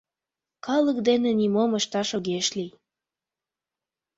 Калык дене нимом ышташ огеш лий.